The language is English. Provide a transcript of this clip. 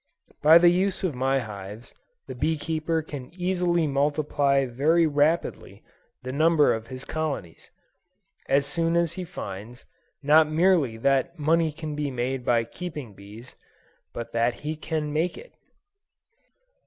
By the use of my hives, the bee keeper can easily multiply very rapidly, the number of his colonies, as soon as he finds, not merely that money can be made by keeping bees, but that he can make it.